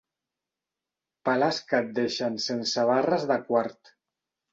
Pales que et deixen sense barres de quart.